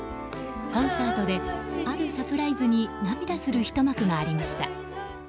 コンサートであるサプライズに涙するひと幕がありました。